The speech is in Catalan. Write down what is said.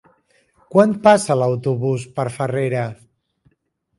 Quan passa l'autobús per Farrera?